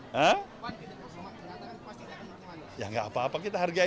pada saat kita patuh pan yang mengatakan tidak pasti tidak akan ditahan